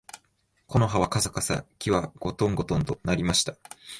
木の葉はかさかさ、木はごとんごとんと鳴りました